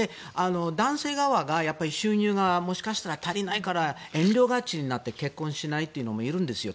男性側が収入がもしかしたら足りないから遠慮がちになって結婚しないというのもいるんですよ。